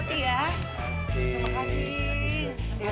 terima kasih ya